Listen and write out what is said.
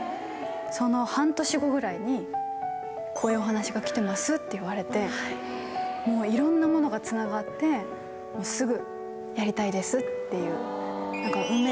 その半年後ぐらいに「こういうお話が来てます」って言われてもういろんなものがつながってすぐ。